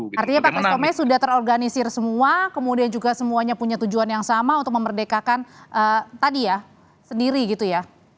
artinya pks kome sudah terorganisir semua kemudian juga semuanya punya tujuan yang sama untuk memerdekakan tadi ya sendiri gitu ya